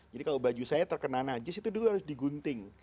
jadi kalau baju saya terkena najis itu dulu harus digunting